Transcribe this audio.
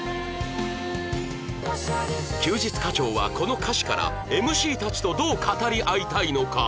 休日課長はこの歌詞から ＭＣ たちとどう語り合いたいのか？